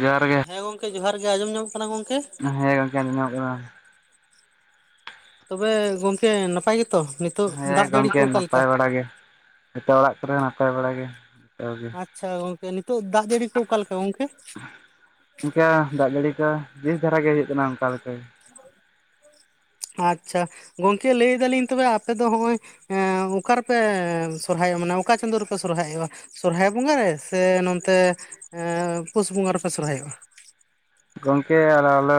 ᱡᱚᱦᱟᱨ ᱜᱮ᱾ ᱦᱮᱸ ᱜᱚᱢᱠᱮ ᱡᱚᱦᱟᱨ ᱜᱮ ᱟᱸᱡᱚᱢ ᱧᱟᱢᱚᱜ ᱠᱟᱱᱟ ᱜᱚᱢᱠᱮ? ᱦᱮᱸ ᱜᱚᱢᱠᱮ ᱟᱸᱡᱚᱢ ᱧᱟᱢᱚᱜ ᱠᱟᱱᱟ ᱾ ᱛᱚᱵᱮ ᱜᱚᱝᱠᱮ ᱱᱟᱯᱟᱭ ᱜᱮᱛᱚ? ᱱᱤᱛᱚᱜ ᱦᱮᱸ ᱫᱟᱜ ᱡᱟᱹᱲᱤ ᱜᱚᱝᱠᱮ ᱠᱚ ᱚᱠᱟᱞᱮᱠᱟ ᱱᱟᱯᱟᱭ ᱵᱟᱲᱟ ᱜᱮ᱾ ᱡᱚᱛᱚ ᱚᱲᱟᱜ ᱠᱚᱨᱮ ᱱᱟᱯᱟᱭ ᱵᱟᱲᱟ ᱜᱮ ᱡᱚᱛ ᱟᱪᱪᱷᱟ ᱜᱚᱝᱠᱮ ᱱᱤᱛᱚᱜ ᱫᱟᱜ ᱡᱟᱹᱲᱤ ᱠᱚ ᱚᱠᱟ ᱞᱮᱠᱟ ᱜᱚᱝᱠᱮ? ᱜᱚᱝᱠᱮ ᱫᱟᱜ ᱡᱟᱹᱲᱤ ᱠᱚ ᱵᱤᱥ ᱫᱷᱟᱨᱟ ᱜᱮ ᱦᱩᱭᱩᱜ ᱠᱟᱱᱟ ᱚᱱᱠᱟᱞᱮᱠᱟ ᱜᱮ᱾ ᱟᱪᱪᱷᱟ ᱜᱚᱝᱠᱮ ᱞᱟᱹᱭ ᱫᱟᱞᱤᱧ ᱛᱚᱵᱮ ᱟᱯᱮ ᱫᱚ ᱦᱚᱸᱜᱼᱚᱭ ᱚᱠᱟ ᱨᱮᱯᱮ ᱥᱚᱨᱦᱟᱭᱚᱜᱼᱟ ᱢᱟᱱᱮ ᱚᱠᱟ ᱪᱟᱸᱫᱳ ᱨᱮᱯᱮ ᱥᱚᱨᱦᱟᱭᱚᱜᱼᱟ? ᱥᱚᱨᱦᱟᱭ ᱵᱚᱸᱜᱟᱨᱮ ᱥᱮ ᱱᱚᱛᱮ ᱯᱩᱥ ᱵᱚᱸᱜᱟ ᱨᱮᱯᱮ ᱥᱚᱨᱦᱟᱭᱚᱜᱼᱟ? ᱜᱚᱢᱠᱮ ᱟᱞᱮ-ᱟᱞᱮ,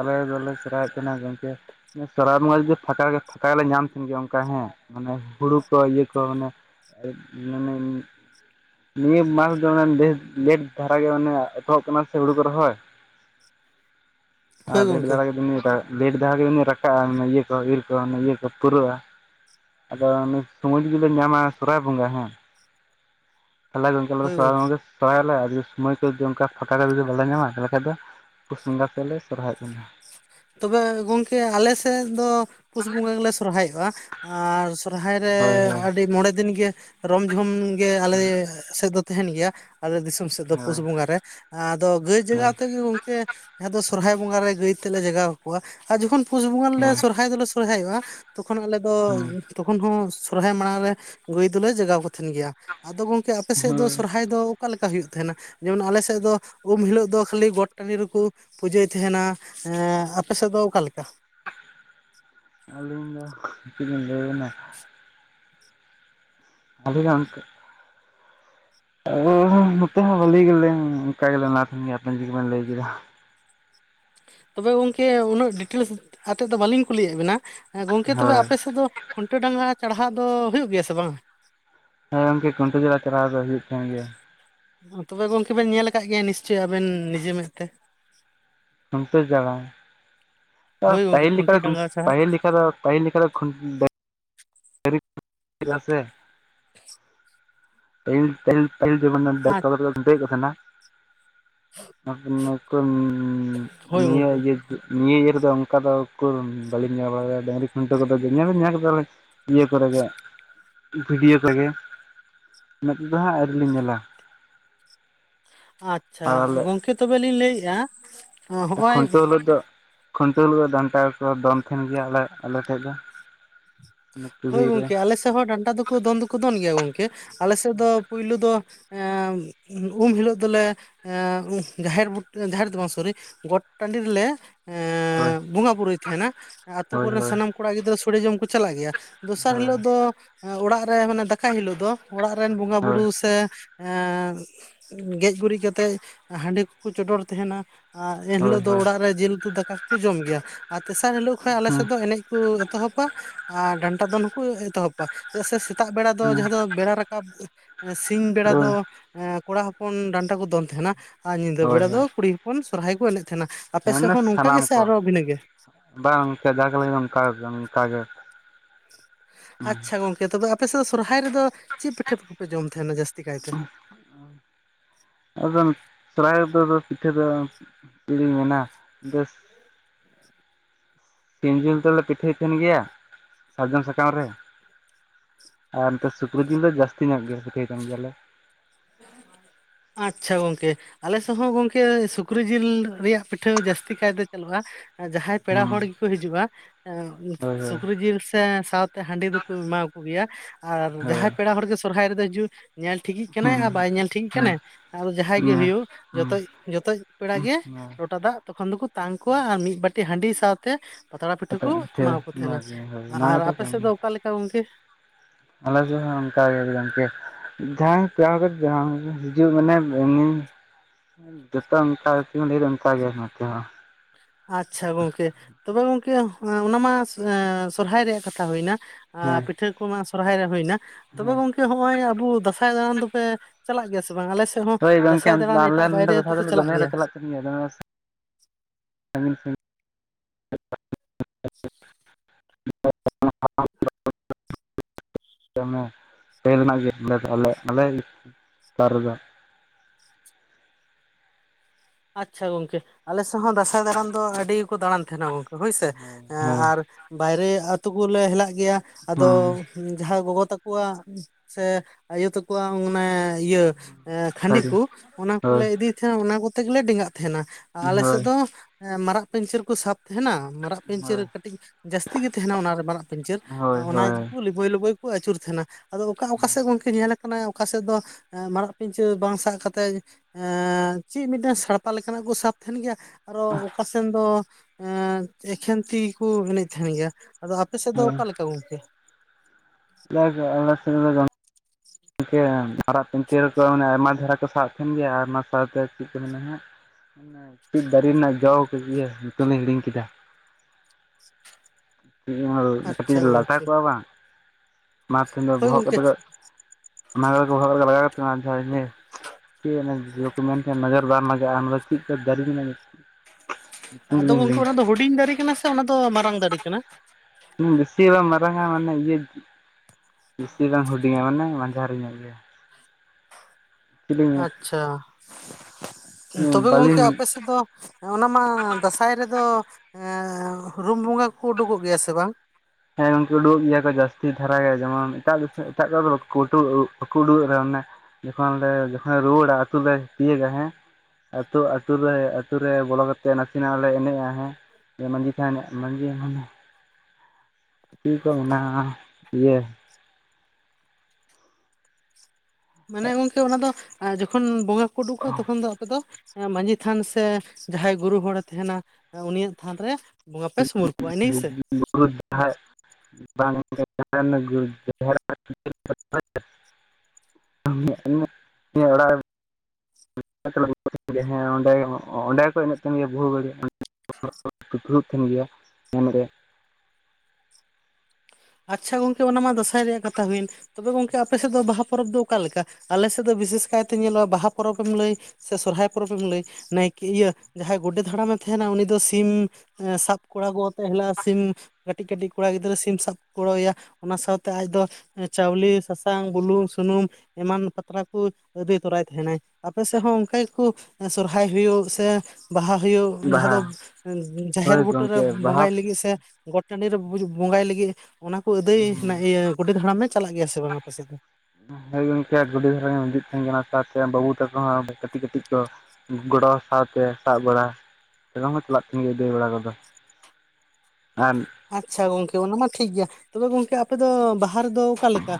ᱟᱞᱮ ᱫᱚᱞᱮ ᱥᱮᱨᱟᱭᱮᱫ ᱛᱟᱦᱮᱱᱟ ᱜᱚᱝᱠᱮ ᱥᱟᱨᱦᱟᱭ ᱵᱚᱸᱜᱟ ᱡᱩᱫᱤ ᱯᱷᱟᱸᱠᱟ ᱯᱷᱟᱸᱠᱟ ᱞᱮ ᱧᱟᱢ ᱛᱟᱦᱮᱱ ᱜᱮᱭᱟ ᱚᱱᱠᱟ ᱦᱮᱸ ᱢᱟᱱᱮ ᱦᱩᱲᱩ ᱠᱚ ᱤᱭᱟᱹ ᱠᱚ ᱢᱟᱱᱮ ᱢᱟᱱᱮ ᱱᱤᱭᱟᱹ ᱢᱟᱥ ᱫᱚ ᱞᱮ-ᱞᱮᱴ ᱫᱷᱟᱨᱟᱜ ᱜᱮ ᱢᱟᱱᱮ ᱮᱛᱚᱦᱚᱜ ᱠᱟᱱᱟ ᱥᱮ ᱦᱩᱲᱩ ᱠᱚ ᱨᱚᱦᱚᱭ᱾ ᱟᱨ ᱦᱳᱭ ᱞᱮᱰ ᱜᱚᱝᱠᱮ ᱫᱟᱨᱟ ᱜᱮᱛᱚᱧ ᱢᱮᱛᱟ ᱞᱮᱴ ᱫᱷᱟᱣ ᱜᱮ ᱨᱟᱠᱟᱵᱼᱟ ᱤᱭᱟᱹ ᱠᱚ ᱤᱨ ᱠᱚ ᱤᱭᱟᱹ ᱠᱚ ᱯᱩᱨᱟᱹᱜᱼᱟ᱾ ᱟᱫᱚ ᱥᱚᱢᱚᱭ ᱢᱩᱫᱤᱵᱮᱱ ᱧᱟᱢᱟ ᱥᱚᱨᱦᱟᱭ ᱵᱚᱸᱜᱟ ᱦᱮᱸ᱾ ᱛᱟᱦᱞᱮ ᱜᱚᱝᱠᱮ ᱟᱞᱮᱫᱚ ᱥᱚᱨᱦᱟᱭ ᱵᱚᱝᱜᱟ ᱥᱚᱨᱦᱟᱭ ᱚᱜᱟᱞᱮ ᱡᱩᱫᱤ ᱥᱩᱢᱚᱭ ᱠᱚ ᱚᱱᱠᱟ ᱡᱩᱫᱤ ᱯᱷᱟᱠᱟ ᱡᱩᱫᱤ ᱵᱟᱞᱮ ᱧᱟᱢᱟ ᱛᱟᱞᱦᱮ ᱠᱷᱟᱱ ᱫᱚ ᱯᱩᱥ ᱵᱚᱝᱜᱟ ᱥᱮᱫ ᱞᱮ ᱥᱚᱨᱦᱟᱭ ᱚᱜ ᱛᱟᱦᱮᱱᱟ᱾ ᱛᱚᱵᱮ ᱜᱚᱝᱠᱮ ᱟᱞᱮ ᱥᱮᱫ ᱫᱚ ᱯᱩᱥ ᱵᱚᱸᱜᱟ ᱜᱮᱞᱮ ᱥᱚᱨᱦᱟᱭᱚᱜᱼᱟ᱾ ᱟᱨ ᱥᱚᱨᱦᱟᱭ ᱨᱮ ᱦᱳᱭ ᱦᱳᱭ ᱟᱹᱰᱤ ᱢᱚᱬᱮ ᱫᱤᱱ ᱜᱮ ᱨᱚᱢ ᱡᱷᱚᱢ ᱜᱮ ᱟᱞᱮ ᱥᱮᱫ ᱫᱚ ᱛᱟᱦᱮᱱ ᱜᱮᱭᱟ᱾ ᱟᱞᱮ ᱫᱤᱥᱚᱢ ᱥᱮᱫ ᱫᱚ ᱯᱩᱥ ᱦᱳᱭ ᱵᱚᱸᱜᱟ ᱨᱮ ᱟᱫᱚ ᱜᱟᱹᱭ ᱦᱳᱭ ᱡᱟᱜᱟᱣ ᱛᱮᱜᱚᱝᱠᱮ ᱟᱫᱚ ᱥᱚᱨᱦᱟᱭ ᱵᱚᱸᱜᱟ ᱨᱮ ᱜᱟᱹᱭ ᱛᱮᱞᱮ ᱡᱟᱜᱟᱣ ᱯᱚᱣᱟ ᱟᱨ ᱡᱚᱠᱷᱚᱱ ᱯᱩᱥ ᱵᱚᱸᱜᱟ ᱨᱮᱞᱮ ᱦᱳᱭ ᱥᱚᱨᱦᱟᱭ ᱫᱚᱞᱮ ᱥᱚᱨᱦᱟᱭᱚᱜᱼᱟ ᱛᱚᱠᱷᱚᱱ ᱟᱞᱮ ᱫᱚ ᱦᱩᱸ ᱛᱚᱠᱷᱚᱱ ᱦᱚᱸ ᱥᱚᱨᱦᱟᱭ ᱢᱟᱲᱟᱝ ᱨᱮ ᱜᱟᱹᱭ ᱫᱚᱞᱮ ᱡᱟᱜᱟᱣ ᱠᱚ ᱛᱟᱦᱮᱱ ᱜᱤᱭᱟ᱾ ᱟᱫᱚ ᱜᱚᱝᱠᱮ ᱟᱯᱮᱥᱮᱜ ᱫᱚ ᱦᱳᱭ ᱥᱚᱨᱦᱟᱭ ᱫᱚ ᱚᱠᱟ ᱞᱮᱠᱟ ᱦᱩᱭᱩᱜ ᱛᱟᱦᱮᱱᱟ? ᱡᱮᱢᱚᱱ ᱟᱞᱮ ᱥᱮᱫ ᱫᱚ ᱩᱢ ᱦᱤᱞᱳᱜ ᱫᱚ ᱠᱷᱟᱹᱞᱤ ᱜᱚᱴ ᱴᱟᱺᱰᱤ ᱨᱮᱠᱚ ᱯᱩᱡᱟᱹᱭ ᱛᱟᱦᱮᱱᱟ ᱮᱸ ᱟᱯᱮᱥᱮᱜ ᱫᱚ ᱚᱠᱟᱞᱮᱠᱟ? ᱟᱹᱞᱤᱧ ᱫᱚ ᱪᱮᱜ ᱞᱤᱧ ᱞᱟᱹᱭ ᱟᱹᱵᱤᱱᱟ᱾ [unintelligible] ᱚ, ᱱᱚᱛᱮ ᱦᱚᱸ ᱵᱷᱟᱹᱞᱤ ᱜᱮᱞᱮ ᱚᱠᱟ ᱜᱮᱞᱮ ᱞᱟᱦᱟ ᱠᱷᱚᱱ ᱜᱮ ᱵᱮᱱ ᱜᱮ ᱵᱮᱱ ᱞᱟᱹᱭ ᱠᱮᱫᱟ ᱾ ᱛᱚᱵᱮ ᱜᱚᱝᱠᱮ ᱩᱱᱟᱹᱜ ᱰᱤᱴᱮᱞᱥ ᱟᱛᱮ ᱫᱚ ᱵᱟᱹᱞᱤᱧ ᱠᱩᱞᱤᱭᱮᱜ ᱵᱮᱱᱟ ᱾ ᱜᱚᱝᱠᱮ ᱛᱚᱵᱮ ᱦᱳᱭ ᱟᱯᱮ ᱥᱮᱫ ᱫᱚ ᱠᱷᱩᱱᱴᱟᱹᱣ ᱰᱟᱝᱨᱟ ᱪᱟᱲᱦᱟᱣ ᱫᱚ ᱦᱩᱭᱩᱜ ᱜᱮᱭᱟ ᱥᱮ ᱵᱟᱝᱼᱟ? ᱦᱮᱸ ᱜᱚᱝᱠᱮ, ᱠᱷᱩᱱᱴᱟᱹᱣ ᱰᱟᱝᱨᱟ ᱪᱟᱨᱟᱣ ᱫᱚ ᱦᱩᱭᱩᱜ ᱠᱟᱱ ᱜᱮᱭᱟ ᱾ ᱛᱚᱵᱮ ᱜᱚᱝᱠᱮ ᱵᱮᱱ ᱧᱮᱞ ᱠᱟᱜ ᱜᱮᱭᱟ ᱱᱤᱥᱪᱚᱭ ᱟᱵᱮᱱ ᱱᱤᱡᱮ ᱢᱮᱫ ᱛᱮ ᱾ ᱠᱷᱩᱱᱴᱟᱹᱣ ᱪᱟᱲᱦᱟᱣ, ᱛᱚ ᱦᱳᱭ ᱜᱚᱝᱠᱮ ᱯᱟᱹᱦᱤᱞ ᱞᱮᱠᱟ ᱠᱷᱩᱱᱴᱟᱹ ᱰᱟᱸᱜᱟ ᱠᱷᱩᱱᱴᱟᱹᱣ ᱪᱟᱲᱦᱟᱣ ᱯᱟᱹᱦᱤᱞ ᱞᱮ ᱯᱟᱹᱦᱤᱞ ᱞᱮᱠᱟ ᱫᱚ ᱠᱷᱩᱱᱴᱟᱹᱣ ᱰᱟᱹ ᱨᱤᱯ [inaudible] [unintelligible] ᱯᱟᱹᱦᱤᱞ ᱯᱟᱹᱦᱤᱞ ᱯᱟᱹᱦᱤᱞ ᱡᱮᱢᱚᱱ ᱟᱪ [unintelligible] ᱫᱮᱡ ᱠᱟᱱᱟ᱾ [unintelligible] ᱦᱳᱭ ᱱᱤᱭᱟᱹ ᱜᱚᱝᱠᱮ ᱤᱭᱟᱹ ᱱᱤᱭᱟᱹ ᱤᱭᱟᱹ ᱨᱮᱫᱚ ᱚᱝᱠᱟ ᱫᱚᱠᱚ ᱵᱟᱹᱞᱤᱧ ᱧᱮᱞ ᱵᱟᱲᱟ ᱠᱟᱫᱟ, ᱰᱟᱹᱝᱨᱤ ᱠᱷᱩᱱᱴᱟᱹ ᱠᱚᱫᱚ ᱡᱮ ᱧᱮᱞ ᱧᱮᱞ ᱠᱟᱫᱟᱞᱤᱧ ᱤᱭᱟᱹ ᱠᱚᱨᱮᱜ ᱵᱷᱤᱰᱤᱭᱳ ᱠᱚᱨᱮ ᱜᱮ ᱾ ᱢᱮᱛ ᱛᱮᱫᱚ ᱦᱟᱸᱜ ᱟᱹᱣᱨᱤ ᱞᱤᱧ ᱧᱮᱞᱟ ᱾ ᱟᱪᱪᱷᱟ, ᱟᱨ ᱟᱞᱮ ᱜᱚᱝᱠᱮ ᱛᱚᱵᱮ ᱞᱤᱧ ᱞᱟᱹᱭᱮᱜᱼᱟ ᱠᱷᱩᱱᱴᱟᱹᱣ ᱦᱤᱞᱳᱜ ᱫᱚ ᱠᱷᱩᱱᱟᱹᱣ ᱦᱤᱞᱳᱜ ᱫᱚ ᱰᱟᱱᱴᱟ ᱠᱚ ᱠᱚ ᱫᱚᱱ ᱛᱟᱦᱮᱱ ᱜᱮᱭᱟ ᱟᱞᱮ ᱴᱷᱮᱡ ᱫᱚ ᱾ ᱦᱳᱭ ᱜᱚᱝᱠᱮ, ᱟᱞᱮ ᱥᱮᱜ ᱦᱚᱸ ᱰᱟᱱᱴᱟ ᱫᱚᱠᱚ ᱫᱚᱱ ᱫᱚᱠᱚ ᱫᱚᱱ ᱜᱮᱭᱟ, ᱜᱚᱝᱠᱮ ᱟᱞᱮ ᱥᱮᱫ ᱫᱚ ᱯᱳᱭᱞᱳ ᱫᱚ ᱮᱸ ᱩᱢ ᱦᱤᱞᱳᱜ ᱫᱚᱞᱮ ᱮᱸ ᱡᱟᱦᱮᱨ ᱵᱩᱴ ᱡᱟᱦᱮᱨ ᱨᱮ ᱫᱚ ᱵᱟᱝ ᱥᱚᱨᱤ ᱜᱚᱴ ᱴᱟᱺᱰᱤ ᱨᱮᱞᱮ ᱦᱳᱭ ᱮ ᱵᱚᱸᱜᱟ ᱵᱩᱨᱩᱭ ᱛᱟᱦᱮᱱᱟ ᱟᱹᱛᱩ ᱦᱳᱭ ᱠᱚᱨᱮᱱ ᱦᱳᱭ ᱥᱟᱱᱟᱢ ᱠᱚᱲᱟ ᱜᱤᱫᱽᱨᱟᱹ ᱥᱚᱲᱮ ᱡᱚᱢ ᱠᱚ ᱪᱟᱞᱟᱜ ᱜᱮᱭᱟ ᱾ ᱫᱚᱥᱟᱨ ᱦᱳᱭ ᱦᱤᱞᱳᱜ ᱫᱚ ᱚᱲᱟᱜ ᱨᱮ ᱢᱟᱱᱮ ᱫᱟᱠᱟᱭ ᱦᱤᱞᱳᱜ ᱫᱚ ᱚᱲᱟᱜ ᱨᱮᱱ ᱵᱚᱸᱜᱟ ᱵᱩᱨᱩ ᱦᱳᱭ ᱥᱮ ᱜᱮᱡ ᱜᱩᱨᱤᱡ ᱠᱟᱛᱮ ᱦᱟᱺᱰᱤ ᱠᱚᱠᱚ ᱪᱚᱰᱚᱨ ᱛᱟᱦᱮᱱᱟ ᱾ ᱟᱨ ᱮᱱᱦᱤᱞᱳᱜ ᱦᱳᱭ ᱫᱚ ᱦᱳᱭ ᱚᱲᱟᱜ ᱨᱮ ᱡᱤᱞ ᱩᱛᱩ ᱫᱟᱠᱟ ᱠᱚ ᱡᱚᱢ ᱜᱮᱭᱟ ᱟᱨ ᱛᱮᱥᱟᱨ ᱦᱤᱞᱳᱜ ᱠᱷᱚᱱ ᱟᱞᱮ ᱦᱩᱸ ᱥᱮᱫ ᱫᱚ ᱮᱱᱮᱡ ᱠᱚ ᱮᱛᱚᱦᱚᱵᱟ ᱟᱨ ᱰᱟᱱᱴᱟ ᱫᱚᱱ ᱦᱚᱸᱠᱚ ᱮᱛᱚᱦᱚᱵᱟ ᱾ ᱪᱮᱫᱟᱜ ᱥᱮ ᱥᱮᱛᱟᱜ ᱵᱮᱲᱟ ᱫᱚ ᱦᱩᱸ ᱡᱟᱦᱟᱸ ᱫᱚ ᱵᱮᱲᱟ ᱨᱟᱠᱟᱵ ᱥᱤᱧ ᱵᱮᱲᱟ ᱦᱳᱭ ᱫᱚ ᱮᱸ ᱠᱚᱲᱟ ᱦᱚᱯᱚᱱ ᱰᱟᱱᱴᱟ ᱠᱚ ᱫᱚᱱ ᱛᱟᱦᱮᱱᱟ ᱟᱨ ᱧᱤᱫᱟᱹ ᱦᱳᱭ ᱵᱮᱲᱟ ᱫᱚ ᱦᱳᱭ ᱠᱩᱲᱤ ᱦᱚᱯᱚᱱ ᱥᱚᱨᱦᱟᱭ ᱠᱚ ᱮᱱᱮᱡ ᱛᱟᱦᱮᱱᱟ ᱾ ᱟᱯᱮ ᱥᱮᱜ ᱢᱟᱱᱮ ᱦᱚᱸ ᱱᱚᱝᱠᱟ ᱜᱮ ᱥᱟᱱᱟᱢ ᱥᱮ ᱠᱚ ᱟᱨᱦᱚᱸ ᱵᱷᱤᱱᱟᱹ ᱜᱮ? ᱵᱟᱝ ᱚᱝᱠᱮ [unintelligible] ᱚᱝᱠᱟ ᱜᱮ ᱾ ᱟᱪᱪᱷᱟ ᱜᱚᱝᱠᱮ, ᱛᱚᱵᱮ ᱟᱯᱮ ᱥᱮᱫ ᱫᱚ ᱥᱚᱨᱦᱟᱭ ᱨᱮᱫᱚ ᱪᱮᱫ ᱯᱤᱴᱷᱟᱹ ᱠᱚᱯᱮ ᱡᱚᱢ ᱛᱟᱦᱮᱱᱟ ᱡᱟᱹᱥᱛᱤ ᱠᱟᱹᱭᱛᱮ? ᱟᱫᱚ ᱥᱚᱨᱦᱟᱭ ᱨᱮᱫᱚ ᱟᱫᱚ ᱯᱤᱴᱷᱟᱹ ᱫᱚ ᱪᱮᱫ ᱤᱧ ᱢᱮᱱᱟ ᱵᱮᱥ ᱥᱤᱢ ᱡᱤᱞ ᱛᱮᱞᱮ ᱯᱤᱴᱷᱟᱹᱭ ᱛᱟᱦᱮᱱ ᱜᱮᱭᱟ, ᱥᱟᱨᱡᱚᱢ ᱥᱟᱠᱟᱢ ᱨᱮ ᱾ ᱟᱨ ᱱᱚᱛᱮ ᱥᱩᱠᱨᱤ ᱡᱤᱞ ᱫᱚ ᱡᱟᱹᱥᱛᱤ ᱧᱚᱜ ᱜᱮ ᱯᱤᱴᱷᱟᱹᱭ ᱠᱟᱱ ᱜᱮᱭᱟᱞᱮ ᱾ ᱦ [inaudible] ᱟᱪᱪᱷᱟ ᱜᱚᱝᱠᱮ, ᱟᱞᱮ ᱥᱮᱥ ᱦᱚᱸ ᱜᱚᱝᱠᱮ, ᱥᱩᱠᱨᱤ ᱡᱤᱞ ᱨᱮᱭᱟᱜ ᱯᱤᱴᱷᱟᱹ ᱡᱟᱹᱥᱛᱤ ᱠᱟᱭᱛᱮ, ᱧᱮᱼᱟ ᱡᱟᱦᱟᱸᱭ ᱯᱮᱲᱟ ᱦᱩᱸ ᱦᱚᱲ ᱜᱮ ᱠᱚ ᱦᱤᱡᱩᱜᱼᱟ, ᱮ ᱦᱳᱭ ᱦᱳᱭ ᱥᱩᱠᱨᱤ ᱡᱤᱞ ᱮ ᱥᱟᱶᱛᱮ ᱦᱟᱺᱰᱤ ᱫᱩᱠᱚ ᱮᱢᱟ ᱞᱠᱚ ᱜᱮᱭᱟ, ᱟᱨ ᱦᱳᱭ ᱡᱟᱦᱟᱸᱭ ᱯᱮᱲᱟ ᱦᱚᱲ ᱜᱮ ᱥᱚᱨᱦᱟᱭ ᱨᱮᱫᱚ ᱦᱤᱡᱩᱜ ᱧᱮᱞ ᱴᱷᱤᱠ ᱠᱟᱱᱟᱭ ᱦᱩᱸ ᱟᱨ ᱵᱟᱭ ᱧᱮᱞ ᱴᱷᱤᱠ ᱦᱩᱸ ᱠᱟᱱᱟᱭ ᱟᱫᱚ ᱡᱟᱦᱟᱸᱭ ᱜᱮ ᱦᱩᱸ ᱦᱳᱭᱳᱜ, ᱡᱚᱛᱚᱭᱤᱡ ᱦᱩᱸ ᱡᱚᱛᱚᱭᱤᱡ ᱯᱮᱲᱟ ᱜᱮ, ᱦᱩᱸ ᱞᱚᱴᱟ ᱫᱟᱜ ᱛᱚᱠᱷᱚᱱ ᱫᱚᱠᱚ ᱛᱟᱝ ᱠᱚᱣᱟ ᱟᱨ ᱢᱤᱫ ᱵᱟᱴᱤ ᱦᱟᱺᱰᱤ ᱥᱟᱶᱛᱮ, ᱯᱟᱛᱲᱟ ᱯᱤᱴᱷᱟᱹ ᱠᱩ ᱮᱢᱟ ᱟᱠᱚ ᱚᱱᱟ ᱛᱟᱦᱮᱱᱟ ᱜᱮ ᱦᱳᱭ ᱾ ᱚᱱᱟ ᱟᱨ ᱜᱮᱛᱚ ᱟᱯᱮ ᱥᱮᱫ ᱠᱟᱹᱢᱤ ᱫᱚ ᱚᱠᱟ ᱞᱮᱠᱟ ᱜᱚᱝᱠᱮ? ᱟᱞᱮ ᱥᱮᱫ ᱦᱚ ᱚᱱᱠᱟ ᱜᱮ ᱜᱚᱝᱠᱮ ᱾ ᱡᱟᱦᱟᱸᱭ ᱯᱮᱲᱟ ᱦᱚᱲ ᱠᱚ ᱡᱚᱢ ᱜᱮ ᱦᱤᱡᱩᱜ ᱢᱟᱱᱮ ᱮᱢᱱᱤ ᱡᱚᱛᱚ ᱚᱱᱠᱟ ᱰᱷ [unintelligible] ᱫᱚ ᱚᱱᱠᱟ ᱜᱮ ᱱᱚᱛᱮ ᱦᱚᱸ, ᱟᱪᱪᱷᱟ ᱜᱚᱝᱠᱮ, ᱛᱚᱵᱮ ᱜᱚᱝᱠᱮ ᱚᱱᱟ ᱢᱟ ᱥᱚᱨᱚᱦᱟᱭ ᱨᱮᱭᱟᱜ ᱠᱟᱛᱷᱟ ᱦᱩᱭᱱᱟ ᱾ ᱦᱮᱸ ᱟ ᱯᱤᱴᱷᱟᱹ ᱠᱚᱢᱟ ᱥᱚᱨᱦᱟᱭ ᱨᱮ ᱦᱩᱭᱱᱟ ᱾ ᱛᱚᱵᱮ ᱦᱮᱸ ᱜᱚᱝᱠᱮ ᱦᱚᱸᱜᱼᱚᱭ ᱟᱵᱩ ᱫᱟᱥᱟᱸᱭ ᱫᱟᱬᱟᱱ ᱫᱚᱯᱮ ᱪᱟᱞᱟᱜ ᱜᱮᱭᱟ ᱥᱮ ᱵᱟᱝ? ᱟᱞᱮ ᱥᱮ ᱥᱮᱫ ᱦᱚᱸ ᱦᱳᱭ ᱜᱚᱝᱠᱮ ᱫᱟᱥᱟᱸᱭ ᱫᱟᱬᱟᱱ, ᱟᱞᱮ ᱮᱴᱟᱜ ᱱᱚᱰᱮ ᱵᱟᱭᱨᱮ ᱟᱹᱛᱩ ᱫᱚ ᱠᱚ ᱫᱚ ᱪᱟᱞᱟᱜ ᱜᱮᱭᱟ ᱾ [unintelligible] ᱥᱟᱺᱜᱤᱧ ᱥᱮᱱ [inaudible] [inaudible] [inaudible] [inaudible] ᱨᱮᱱᱟᱜ ᱜᱮ ᱟᱞᱮ ᱫᱚ ᱟᱞᱮ ᱟᱞᱮ ᱥᱟᱨ ᱨᱮᱫᱚ ᱟᱪᱷᱟ ᱜᱚᱝᱠᱮ, ᱟᱞᱮ ᱥᱮᱫ ᱦᱚᱸ ᱫᱟᱸᱥᱟᱭ ᱫᱟᱬᱟᱱ ᱫᱚ ᱟᱹᱰᱤ ᱜᱮᱠᱚ ᱫᱟᱬᱟᱱ ᱛᱟᱦᱮᱱᱟ ᱜᱚᱢᱠᱮ, ᱦᱳᱭᱥᱮ ᱦᱳᱭ ᱟᱨ ᱵᱟᱭᱨᱮ ᱟᱛᱳ ᱠᱚᱞᱮ ᱦᱮᱞᱟᱜ ᱜᱮᱭᱟ ᱟᱫᱚ ᱦᱩᱸ ᱡᱟᱦᱟᱸ ᱜᱚᱜᱚ ᱛᱟᱠᱚᱣᱟᱜ, ᱥᱮ ᱟᱭᱳ ᱛᱟᱠᱚᱣᱟᱜ ᱚᱱᱮ ᱤᱭᱟᱹ ᱮ ᱠᱷᱟᱹᱰᱤ ᱥᱟᱹᱨᱤ ᱠᱩ, ᱚᱱᱟ ᱦᱳᱭ ᱠᱚᱞᱮ ᱤᱫᱤᱭ ᱛᱟᱦᱮᱸᱱᱟ ᱚᱱᱟ ᱠᱚᱛᱮ ᱜᱮᱞᱮ ᱰᱮᱸᱜᱟᱜ ᱛᱟᱦᱮᱱᱟ᱾ ᱟᱞᱮ ᱥᱮᱫ ᱦᱳᱭ ᱫᱚ, ᱢᱟᱨᱟᱜ ᱯᱤᱧᱪᱟᱹᱨ ᱠᱚ ᱥᱟᱵ ᱛᱟᱦᱮᱱᱟ ᱢᱟᱨᱟᱜ ᱯᱤᱧᱪᱟᱹᱨ ᱠᱟᱹᱴᱤᱡ ᱡᱟᱹᱥᱛᱤ ᱜᱮ ᱛᱟᱦᱮᱱᱟ, ᱚᱱᱟᱨᱮ ᱢᱟᱨᱟᱜ ᱯᱤᱧᱪᱟᱹᱨ ᱦᱳᱭ ᱚᱱᱟ ᱜᱮᱠ ᱦᱳᱭ ᱞᱤ ᱞᱤᱵᱟᱹᱭ ᱞᱟᱵᱟᱹᱭ ᱠᱚ ᱟᱹᱪᱩᱨ ᱛᱟᱦᱮᱸᱱᱟ, ᱟᱫᱚ ᱚᱠᱟ ᱚᱠᱟ ᱥᱮᱫ ᱜᱚᱝᱠᱮ ᱧᱮᱞ ᱟᱠᱟ ᱠᱟᱱᱟᱭ ᱚᱠᱟ ᱥᱮᱫ ᱫᱚ, ᱢᱟᱨᱟᱜ ᱯᱤᱧᱪᱟᱹᱨ ᱵᱟᱝ ᱥᱟᱵ ᱠᱟᱛᱮᱫ ᱮᱻ ᱪᱮᱫ ᱢᱤᱫᱴᱮᱱ ᱥᱟᱲᱯᱟ ᱞᱮᱠᱟᱱᱟᱜ ᱠᱚ ᱥᱟᱵ ᱛᱟᱦᱮᱱ ᱜᱮᱭᱟ, ᱟᱨᱚ ᱚᱠᱟ ᱥᱮᱱ ᱫᱚ ᱾ ᱮᱻ ᱮᱠᱷᱮᱱ ᱛᱤ ᱜᱮᱠᱩ ᱮᱱᱮᱡ ᱛᱟᱦᱮᱱ ᱜᱮᱭᱟ, ᱟᱫᱚ ᱟᱯᱮ ᱥᱮᱫ ᱫᱚ ᱚᱠᱟ ᱞᱮᱠᱟ ᱜᱚᱝᱠᱮ? ᱡ [unintelligible] ᱤᱱᱠᱮ ᱢᱟᱨᱟᱜ ᱯᱤᱧᱪᱟᱹᱨ ᱫᱚ ᱟᱭᱢᱟ ᱫᱷᱟᱨᱟ ᱠᱚ ᱥᱟᱵ ᱛᱟᱦᱮᱱ ᱜᱮᱭᱟ ᱟᱭᱢᱟ ᱥᱟᱶᱛᱮ ᱪᱮᱫ ᱠᱚ ᱢᱮᱱᱟ ᱦᱜ ᱪᱮᱫ ᱫᱟᱨᱮ ᱨᱮᱱᱟᱜ ᱡᱚ ᱠᱚ ᱤᱭᱟᱹ ᱧᱩᱛᱩᱢᱤᱧ ᱦᱤᱲᱤᱧ ᱠᱮᱫᱟ ᱾ [unintelligible] [unintelligible] ᱟᱪᱪᱷᱟ ᱠᱟᱹᱴᱤᱡ ᱞᱟᱴᱟ ᱜᱚᱝᱠᱮ ᱠᱚᱜᱼᱟ ᱵᱟᱝ ᱢᱟ ᱛᱷ ᱫᱚ ᱦᱳᱭ ᱵᱚᱦᱚᱜ ᱜᱚᱝᱠᱮ ᱠᱟᱛᱮ ᱫᱚ ᱢᱟᱜᱮ [unintelligible] ᱪᱮ ᱥᱱᱟ ᱡᱚ ᱠᱚ ᱢᱮᱱ ᱛᱟᱦᱮᱱ ᱱᱚᱡᱟᱨ ᱵᱟᱝ ᱞᱟᱜᱟᱜᱼᱟ, ᱚᱱᱟᱫᱚ ᱪᱮᱫ ᱞᱮᱠᱟ ᱫᱟᱨᱮ ᱨᱮᱭᱟᱜ ᱱᱩᱼᱼ ᱟᱫᱚ ᱜᱚᱢᱠᱮ ᱚᱱᱟ ᱫᱚ ᱦᱩᱰᱤᱧ ᱫᱟᱨᱮ ᱠᱟᱱᱟ, ᱥᱮ ᱚᱱᱟ ᱫᱚ ᱢᱟᱨᱟᱝ ᱫᱟᱨᱮ ᱠᱟᱱᱟ? ᱵᱮᱥᱤ ᱵᱟᱝ ᱢᱟᱨᱟᱝᱟ ᱢᱟᱱᱮ ᱤᱭᱟᱹ, ᱵᱮᱥᱤ ᱵᱟᱝ ᱦᱩᱰᱤᱧᱟ, ᱢᱟᱱᱮ ᱢᱟᱡᱷᱟᱨᱤ ᱧᱚᱜ ᱜᱮᱭᱟ ᱾ ᱟᱪᱪᱷᱟ, ᱛᱚᱵᱮ ᱜᱚᱝᱠᱮ ᱵᱟᱹᱞᱤᱧ ᱟᱯᱮ ᱥᱮᱫ ᱫᱚ ᱚᱱᱟ ᱢᱟ ᱫᱟᱸᱥᱟᱭ ᱨᱮᱫᱚ, ᱚ ᱨᱩᱢ ᱵᱚᱸᱜᱟ ᱠᱚᱠᱚ ᱩᱰᱩᱠᱚᱜ ᱜᱮᱭᱟ ᱥᱮ ᱵᱟᱝ? ᱦᱮᱸ ᱜᱚᱝᱠᱮ ᱩᱰᱩᱠᱟᱹᱜ ᱜᱮᱭᱟ ᱠᱚ ᱡᱟᱹᱥᱛᱤ ᱫᱷᱟᱨᱟ ᱜᱮ, ᱡᱮᱢᱚᱱ ᱮᱴᱟᱜ ᱮᱴᱟᱜ ᱠᱚᱨᱮᱫᱚ ᱩ ᱵᱟᱠᱚ ᱩᱰᱩᱠᱜ ᱨᱮᱦᱽ ᱚᱱᱮ ᱡᱚᱠᱷᱚᱱ ᱞᱮ ᱡᱚᱠᱷᱚᱱ ᱞᱮ ᱨᱩᱣᱟᱹᱲᱟ, ᱟᱛᱳ ᱞᱮ ᱛᱤᱭᱳᱜᱟ ᱦᱮᱸ, ᱟᱹᱛᱩᱳ ᱟᱹᱛᱩ ᱨᱮ ᱟᱛᱳ ᱨᱮ ᱵᱚᱞᱚ ᱠᱟᱛᱮᱜ ᱱᱟᱥᱮᱱᱟᱜ ᱞᱮ ᱮᱱᱮᱡᱼᱟ ᱦᱮᱸ, ᱡᱮ ᱢᱟᱹᱡᱤᱨ ᱛᱷᱟᱱᱟ ᱢᱟᱹᱡᱤ ᱮᱢᱳᱜ ᱪᱮ ᱠᱚ ᱢᱮᱱᱟᱼᱟ ᱤᱭᱟᱹ ᱢᱟᱱᱮ ᱜᱚᱝᱠᱮ ᱚᱱᱟ ᱫᱚ ᱡᱚᱠᱷᱚᱱ ᱵᱚᱸᱜᱟ ᱠᱚ ᱩᱰᱩᱠᱚᱜ-ᱟ ᱛᱚᱠᱷᱚᱱ ᱫᱚ ᱟᱯᱮ ᱫᱚ ᱢᱟᱟᱹᱡᱷᱤ ᱛᱷᱟᱱ ᱥᱮ ᱡᱟᱦᱟᱸᱭ ᱜᱩᱨᱩ ᱦᱚᱲᱮ ᱛᱟᱦᱮᱱᱟ ᱩᱱᱤᱭᱟᱜ ᱛᱷᱟᱱ ᱨᱮ ᱵᱚᱸᱜᱟ ᱯᱮ ᱥᱩᱢᱩᱨ ᱠᱚᱣᱟ ᱤᱱᱟᱹ ᱜᱮᱥᱮ [unintelligible] ᱜᱩᱨᱩ ᱡᱟᱦᱟᱸᱭ ᱵᱟᱝ ᱜᱮ ᱜᱩᱨᱩ ᱛᱟᱦᱮᱱ ᱡᱟᱦᱟᱸᱨᱮ ᱩᱱᱤ ᱩᱱᱤᱭᱟᱜ ᱟᱲᱟᱜ ᱦᱮᱸ ᱚᱸᱰᱮ ᱚᱸᱰᱮ ᱠᱚ ᱮᱱᱮᱡ ᱠᱟᱱ ᱜᱮᱭᱟ ᱵᱩᱦᱩ ᱜᱟᱬᱤ᱾ [unintelligible] ᱫᱩᱯᱲᱩᱜ ᱛᱟᱦᱮᱱ ᱜᱮᱭᱟ ᱢᱚᱱᱮᱨᱮ᱾ ᱟᱪᱪᱷᱟ ᱜᱚᱝᱠᱮ ᱚᱱᱟ ᱢᱟ ᱫᱚᱥᱟᱭ ᱨᱮᱭᱟᱜ ᱠᱟᱛᱷᱟ ᱦᱩᱭᱮᱱ᱾ ᱛᱚᱵᱮ ᱜᱚᱝᱠᱮ ᱟᱯᱮ ᱥᱮᱫ ᱫᱚ ᱵᱟᱦᱟ ᱯᱚᱨᱚᱵᱽ ᱫᱚ ᱚᱠᱟ ᱞᱮᱠᱟ? ᱟᱞᱮ ᱥᱮᱫ ᱫᱚ ᱵᱤᱥᱮᱥ ᱠᱟᱭᱛᱮ ᱧᱮᱞᱚᱜ-ᱟ ᱵᱟᱦᱟ ᱯᱚᱨᱚᱵᱽ ᱮᱢ ᱞᱟᱹᱭ ᱥᱮ ᱥᱚᱨᱦᱟᱭ ᱯᱚᱨᱚᱵᱽ ᱮᱢ ᱞᱟᱹᱭ ᱱᱟᱭᱠᱮ ᱤᱭᱟᱹ ᱡᱟᱦᱟᱸᱭ ᱜᱳᱰᱮᱛ ᱫᱟᱲᱟᱢᱮ ᱛᱟᱦᱮᱱᱟ ᱩᱱᱤ ᱫᱚ ᱥᱤᱢ ᱥᱟᱵ ᱠᱚᱜ-ᱟ ᱵᱚ ᱠᱟᱴᱤᱡ ᱠᱟᱴᱤᱡ ᱥᱤᱢ ᱠᱟᱹᱴᱤᱡ ᱠᱟᱹᱴᱤᱡ ᱠᱚᱲᱟ ᱜᱤᱫᱽᱨᱟᱹ ᱥᱤᱢ ᱥᱟᱵ ᱜᱚᱲᱚᱣᱟᱭᱟ ᱚᱱᱟ ᱥᱟᱶᱛᱮ ᱟᱡ ᱫᱚ ᱪᱟᱣᱞᱮ ᱥᱟᱥᱟᱝ ᱵᱩᱞᱩᱝ ᱥᱩᱱᱩᱢ ᱮᱢᱟᱱ ᱯᱟᱛᱲᱟ ᱠᱚ ᱟᱹᱫᱟᱹᱭ ᱛᱚᱨᱟᱭ ᱛᱟᱦᱮᱱᱟᱭ᱾ ᱟᱯᱮ ᱥᱮᱫ ᱦᱚᱸ ᱚᱱᱠᱟ ᱜᱮᱠᱚ ᱥᱚᱨᱦᱟᱭ ᱦᱩᱭᱩᱜ ᱥᱮ ᱵᱟᱦᱟ ᱦᱩᱭᱩᱜ, ᱡᱟᱦᱟᱸ ᱵᱟᱦᱟ ᱫᱚ ᱡᱟᱦᱮᱨ ᱦᱳᱭ ᱵᱩᱴᱟᱹᱨᱮ ᱜᱚᱝᱠᱮ ᱵᱟᱦᱟ ᱵᱚᱸᱜᱟᱭ ᱞᱟᱹᱜᱤᱫ ᱥᱮ ᱜᱚᱴ ᱴᱟᱺᱰᱤ ᱨᱮ ᱵᱚ ᱵᱚᱸᱜᱟᱭ ᱞᱟᱹᱜᱤᱫ ᱚᱱᱟ ᱠᱚ ᱟᱹᱫᱟᱹᱭ ᱤᱭᱟᱹ ᱜᱳᱰᱮᱛ ᱦᱟᱲᱟᱢᱮ ᱪᱟᱞᱟᱜ ᱜᱮᱭᱟ ᱥᱮ ᱵᱟᱝ ᱟᱯᱮ ᱥᱮᱫ ᱫᱚ? ᱦᱮᱸ ᱜᱚᱝᱠᱮ ᱜᱟᱹᱰᱤ ᱫᱷᱟᱨᱟᱧ [unintelligible] ᱠᱟᱱᱟ ᱥᱟᱶᱛᱮ ᱵᱟᱹᱵᱩ ᱛᱟᱠᱚ ᱦᱚᱸ ᱠᱟᱹᱴᱤᱡ ᱠᱟᱹᱴᱤᱡ ᱠᱚ᱾ ᱜᱚᱲᱚ ᱥᱟᱶᱛᱮ ᱥᱟᱵ ᱵᱟᱲᱟ ᱮᱠᱫᱚᱢ ᱠᱚ ᱪᱟᱞᱟᱜ ᱛᱤᱧ ᱜᱮᱭᱟ ᱟ. ᱫᱟᱹᱭ ᱵᱟᱲᱟ ᱠᱚᱫᱚ᱾ ᱟᱱ ᱟᱪᱪᱷᱟ ᱜᱚᱝᱠᱮ ᱚᱱᱟ ᱢᱟ ᱴᱷᱤᱠ ᱜᱮᱭᱟ, ᱛᱚᱵᱮ ᱜᱚᱝᱠᱮ ᱟᱯᱮ ᱫᱚ ᱵᱟᱦ ᱦᱟ ᱨᱮᱫᱚ ᱚᱠᱟ‌ᱞᱮᱠᱟ